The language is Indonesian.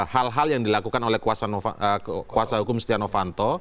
hal hal yang dilakukan oleh kuasa hukum stiano fanto